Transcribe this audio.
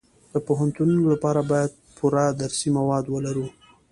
د پوهنتونونو لپاره باید پوره درسي مواد ولرو